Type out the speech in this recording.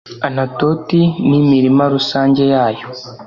anatoti n'imirima rusange yayo